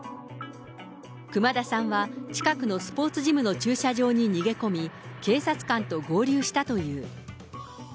熊田さんは近くのスポーツジムの駐車場に逃げ込み、警察官と合流したという。